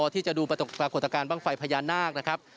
ที่จะดูปรากฏการณ์บ้างไฟพญานาคนะครับ